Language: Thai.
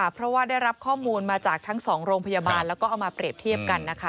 เพราะว่าได้รับข้อมูลมาจากทั้ง๒โรงพยาบาลแล้วก็เอามาเปรียบเทียบกันนะคะ